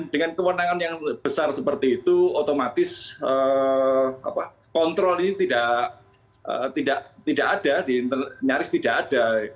dengan kewenangan yang besar seperti itu otomatis kontrol ini tidak ada nyaris tidak ada